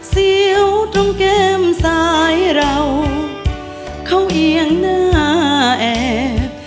เสียวตรงแก้มซ้ายเราเขาเอียงหน้าแอบ